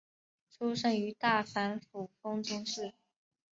出身于大阪府丰中市。